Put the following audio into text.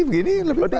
begini lebih baik